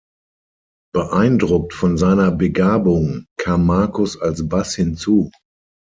Beeindruckt von seiner Begabung kam Marcus als Bass hinzu.